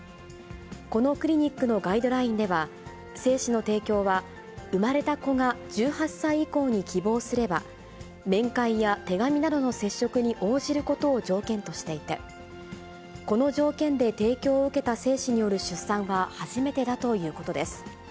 このクリニックのガイドラインでは、精子の提供は、生まれた子が１８歳以降に希望すれば、面会や手紙などの接触に応じることを条件としていて、この条件で提供を受けた精子による出産は、初めてだということです。